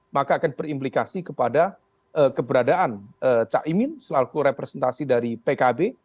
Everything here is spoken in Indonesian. maka akan berimplikasi kepada keberadaan cak imin selaku representasi dari pkb